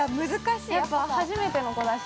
やっぱ初めての子だし。